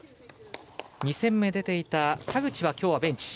２戦目出ていた田口はきょうはベンチ。